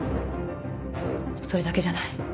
それだけじゃない。